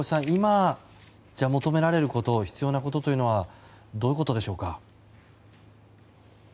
今、求められること必要なことはどういうことでしょうか。